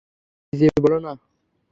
কী যে বলো না!